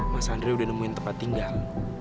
mas andri udah nemuin tempat tinggal